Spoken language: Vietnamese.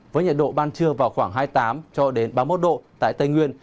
với nhiệt độ ban trưa vào khoảng hai mươi tám ba mươi một độ tại tây nguyên